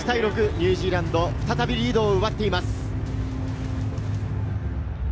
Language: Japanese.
ニュージーランド、再びリードを奪っています。